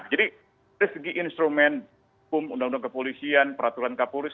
jadi dari segi instrumen undang undang kepolisian peraturan kapolis